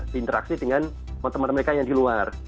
di interaksi dengan teman teman mereka yang di luar